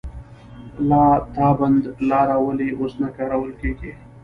لاتابند لاره ولې اوس نه کارول کیږي؟